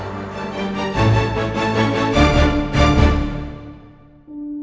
gak ada bantuan